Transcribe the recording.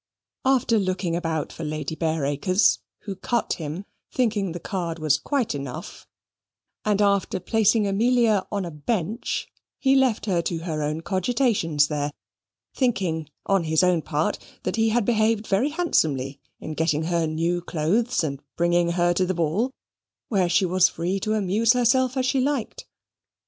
After looking about for Lady Bareacres, who cut him, thinking the card was quite enough and after placing Amelia on a bench, he left her to her own cogitations there, thinking, on his own part, that he had behaved very handsomely in getting her new clothes, and bringing her to the ball, where she was free to amuse herself as she liked.